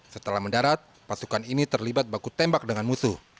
setelah mendarat pasukan ini terlibat baku tembak dengan musuh